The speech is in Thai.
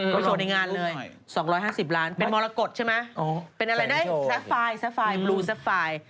โชว์ในงานเลย๒๕๐ล้านเป็นมรกฏใช่ไหมเป็นอะไรนะแซคไฟล์แซ่ไฟล์บลูแซฟไฟล์